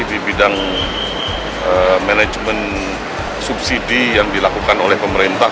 di bidang manajemen subsidi yang dilakukan oleh pemerintah